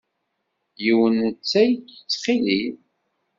Yiwen n ttay ttxil-m!